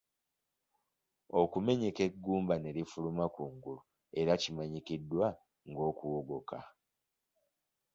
Okumenyeka eggumba ne lifuluma ku ngulu era kimanyiddwa ng'okuwogoka.